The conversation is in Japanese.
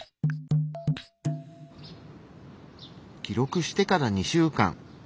記録してから２週間。